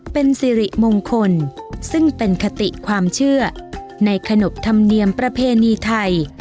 เป็นสิริมงคลซึ่งเป็นคติความเชื่อในขนบธรรมเนียมประเพณีไทย